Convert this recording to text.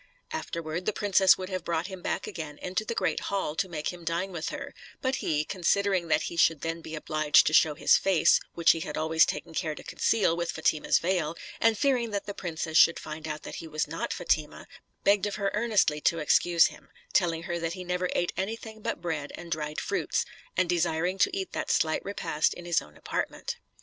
Afterward, the princess would have brought him back again into the great hall to make him dine with her; but he, considering that he should then be obliged to show his face, which he had always taken care to conceal with Fatima's veil, and fearing that the princess should find out that he was not Fatima, begged of her earnestly to excuse him, telling her that he never ate anything but bread and dried fruits, and desiring to eat that slight repast in his own apartment.